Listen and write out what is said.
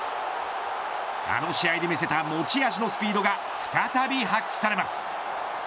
あの試合で見せた持ち味のスピードが再び発揮されます。